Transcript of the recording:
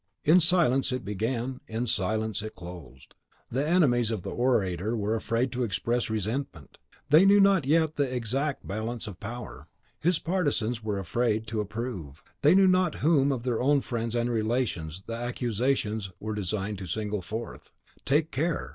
In silence it began, in silence closed. The enemies of the orator were afraid to express resentment; they knew not yet the exact balance of power. His partisans were afraid to approve; they knew not whom of their own friends and relations the accusations were designed to single forth. "Take care!"